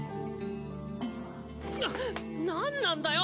ななんなんだよ！